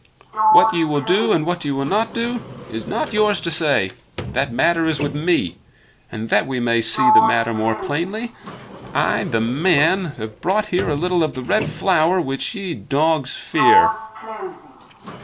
What ye will do, and what ye will not do, is not yours to say. That matter is with me; and that we may see the matter more plainly, I, the man, have brought here a little of the Red Flower which ye, dogs, fear."